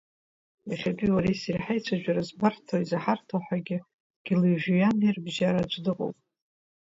Иахьатәи уареи сареи ҳаицәажәара збарҭоу изаҳарҭоу ҳәагьы дгьыли-жәҩани рыбжьара аӡә дыҟоуп.